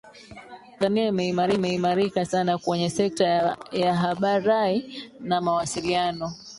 tanzania imeimarika sana kwenye sekta ya habarai na mawasiliano